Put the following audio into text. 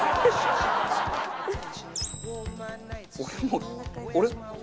俺もう俺。